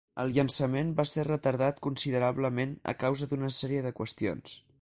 El llançament va ser retardat considerablement a causa d'una sèrie de qüestions.